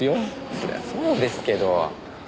そりゃそうですけど。